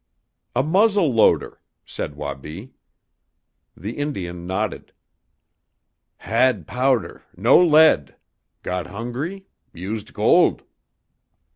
"A muzzle loader!" said Wabi. The Indian nodded. "Had powder, no lead. Got hungry; used gold."